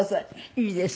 いいです。